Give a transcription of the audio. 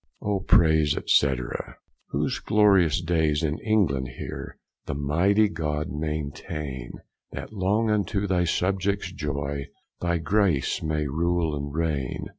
O praise, &c. Whose glorious daies in England heere The mighty God maintaine, That long unto thy subjects joye Thy Grace may rule and raigne.